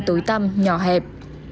tối tăm nhỏ hẹp